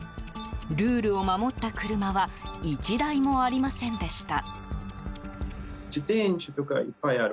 ルールを守った車は１台もありませんでした。